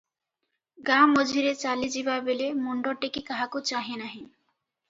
ଗାଁ’ ମଝିରେ ଚାଲିଯିବା ବେଳେ ମୁଣ୍ଡ ଟେକି କାହାକୁ ଚାହେଁ ନାହିଁ ।